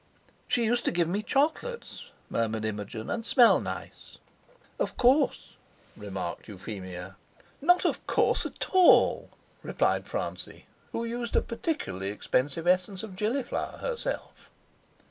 "She used to give me chocolates," murmured Imogen, "and smell nice." "Of course!" remarked Euphemia. "Not of course at all!" replied Francie, who used a particularly expensive essence of gillyflower herself.